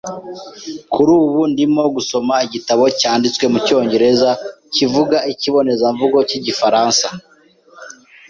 Kuri ubu ndimo gusoma igitabo cyanditswe mu cyongereza kivuga ikibonezamvugo cy'igifaransa.